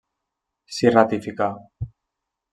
S'hi ratificà.